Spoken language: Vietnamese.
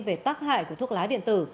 về tác hại của thuốc lá điện tử